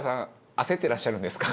焦ってらっしゃるんですか？